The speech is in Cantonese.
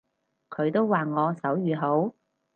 佢都話我手語好